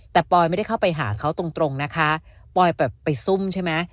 แต่ปอยไม่ได้เข้าไปหาเขาตรงนะคะปอยแบบไปซุ่มใช่ไหม